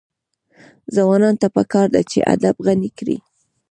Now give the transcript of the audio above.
ځوانانو ته پکار ده چې، ادب غني کړي.